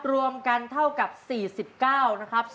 รวมกันเท่ากับ๔๙นะครับ